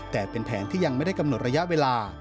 แต่เป็นแผนที่ยังไม่ได้กำหนดระยะเวลา